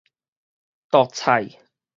擇菜